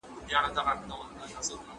په ناحقه د چا په مال مه تېرېږئ.